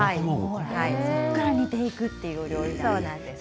そこから煮ていくというお料理です。